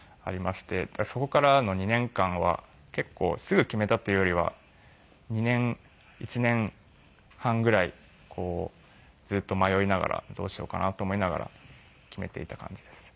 そこからの２年間は結構すぐ決めたというよりは２年１年半ぐらいずっと迷いながらどうしようかなと思いながら決めていった感じです。